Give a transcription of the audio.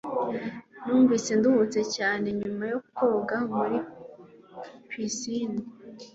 Numvise nduhutse cyane nyuma yo koga muri pisine.